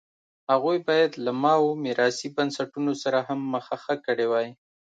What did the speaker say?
هغوی باید له ماوو میراثي بنسټونو سره هم مخه ښه کړې وای.